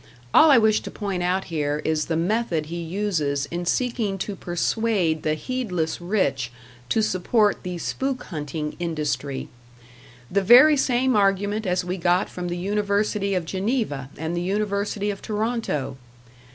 All I wish to point out here is the method he uses in seeking to persuade the heedless rich to support the spook hunting industry. The very same argument as we got from the University of Geneva and the University of Toronto!